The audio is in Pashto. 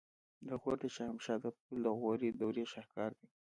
د غور د شاهمشه د پل د غوري دورې شاهکار دی